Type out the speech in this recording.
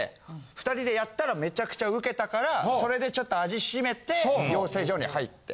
２人でやったらめちゃくちゃウケたからそれでちょっと味しめて養成所に入って。